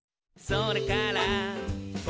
「それから」